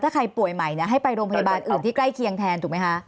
ถ้าใครป่วยใหม่ให้ไปโรงพยาบาลอื่นที่ใกล้เคียงแทนถูกไหมคะ